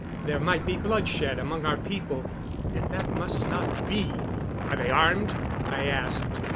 There might be bloodshed among our people, and that must not be." "Are they armed?" I asked.